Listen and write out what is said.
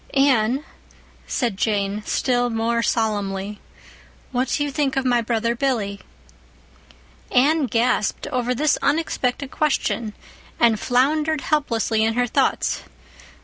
"Anne," said Jane, still more solemnly, "what do you think of my brother Billy?" Anne gasped over this unexpected question, and floundered helplessly in her thoughts.